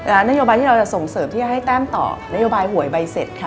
นโยบายที่เราจะส่งเสริมที่จะให้แต้มต่อนโยบายหวยใบเสร็จค่ะ